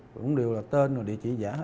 cũng đều là tên và địa chỉ giả hết